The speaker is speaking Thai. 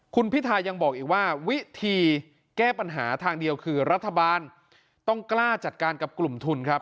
คุณพิทายังบอกอีกว่าวิธีแก้ปัญหาทางเดียวคือรัฐบาลต้องกล้าจัดการกับกลุ่มทุนครับ